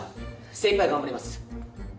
精いっぱい頑張ります。